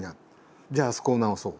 じゃああそこを直そう